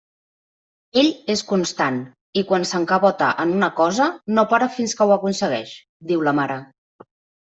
Ell és constant i, quan s'encabota en una cosa, no para fins que ho aconsegueix —diu la mare.